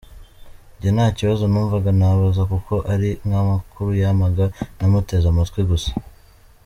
Jye nta kibazo numvaga nabaza kuko ari nk’amakuru yampaga, namuteze amatwi gusa.